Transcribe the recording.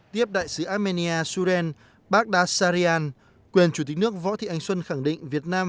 tiếp đại sứ armenia suren baghdad sarian quyền chủ tịch nước võ thị ánh xuân khẳng định việt nam